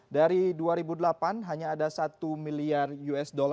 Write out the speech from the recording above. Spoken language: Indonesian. dari dua ribu delapan hanya ada satu miliar usd